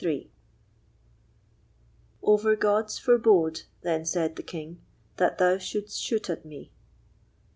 Over Gods forebode, then said the King, That thou shouldst shoot at me.